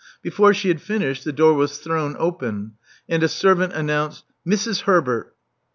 Before she had finished the door was thrown open; and a servant announced '*Mrs. Herbert."